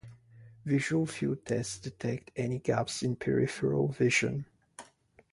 Visual field tests detect any gaps in peripheral vision.